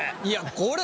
これ！